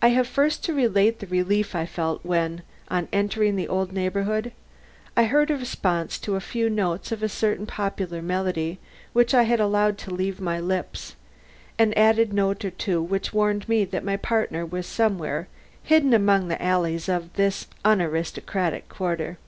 I have first to relate the relief I felt when, on entering the old neighborhood, I heard in response to a few notes of a certain popular melody which I had allowed to leave my lips, an added note or two which warned me that my partner was somewhere hidden among the alleys of this very unaristocratic quarter.